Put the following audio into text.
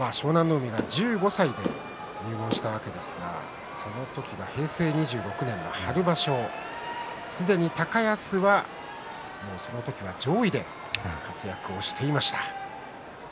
海が１５歳で入門したわけですがその時が平成２６年の春場所すでに高安はその時は上位で活躍をしていました。